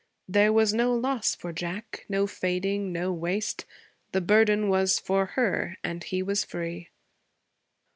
There was no loss for Jack no fading, no waste. The burden was for her, and he was free.